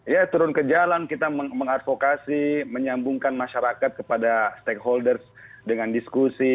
ya turun ke jalan kita mengadvokasi menyambungkan masyarakat kepada stakeholders dengan diskusi